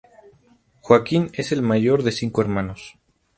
Joaquín es el mayor de cinco hermanos.